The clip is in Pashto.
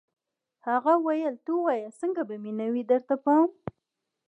هغه ویل ته وایه څنګه به مې نه وي درته پام